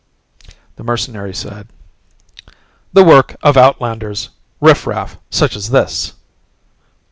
The mercenary said, "The work of outlanders riffraff such as this!"